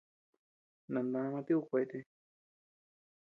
Nandama tíku kuete.